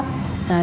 vẫn còn khá thấp